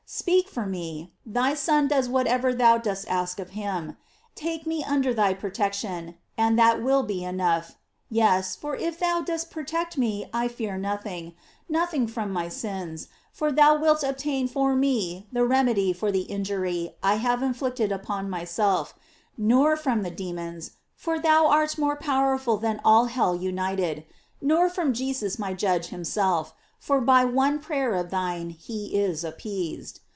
Speak for me; thy Son does whatever thou dost ask of him. Take me under thy protection, and this will be enough: yes, for if thou dost protect me I fear nothing: noth ing from my sins, for thou wilt obtain for me the remedy for the injury I have inflicted upon my self; nor from the demons, for thou art more pow erful than all hell united; nor from Jesus my Judge himself; for by one prayer of thine he is appeased.